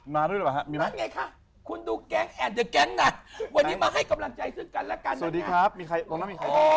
มาด้วยเหรอครับมีไหม